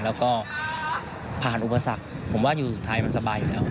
แล้วก็ผ่านอุปสรรคผมว่าอยู่สุดท้ายมันสบายแล้ว